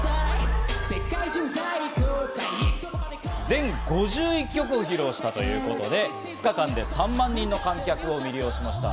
全５１曲を披露したということで、２日間で３万人の観客を魅了しました。